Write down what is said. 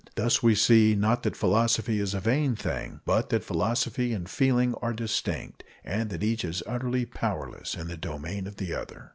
Thus we see, not that philosophy is a vain thing, but that philosophy and feeling are distinct, and that each is utterly powerless in the domain of the other.